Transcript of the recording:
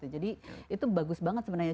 jadi itu bagus banget sebenarnya